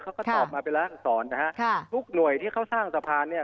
คุกหน่วยที่เหรอสร้างสะพานเนี่ย